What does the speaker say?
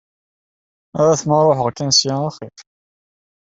Ahat ma ruḥeɣ kan ssya axir.